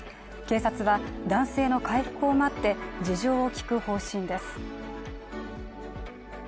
警察は男性の回復を待って事情を聞く方針です。